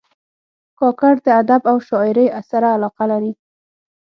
کاکړ د ادب او شاعرۍ سره علاقه لري.